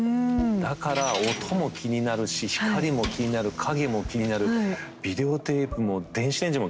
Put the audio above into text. だから音も気になるし光も気になる影も気になるビデオテープも電子レンジも気になる。